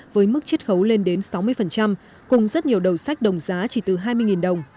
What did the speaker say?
với mức chất khấu lên đến sáu mươi cùng rất nhiều đầu sách đồng giá chỉ từ hai mươi đồng